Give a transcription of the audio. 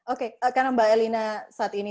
oke karena mbak elina saat ini